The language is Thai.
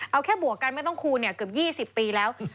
เอาแค่บวกกันไม่ต้องคูณเกือบ๒๐ปีแล้ว